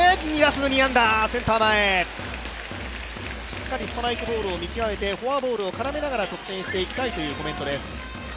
しっかりストライクボールを見極めてフォアボールを絡めて得点していきたいというコメントです。